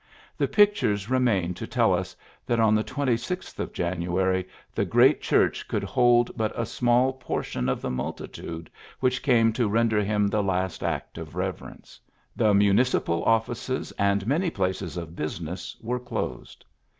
The pictures remain to tell us that on the 26th of January the great church could hold but a small por tion of the multitude which came to render him the last act of reverence. The municipal ofi&ces and many places of business were closed.